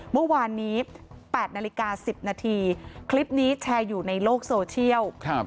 เมื่อวานนี้๘นาฬิกา๑๐นาทีคลิปนี้แชร์อยู่ในโลกโซเชียล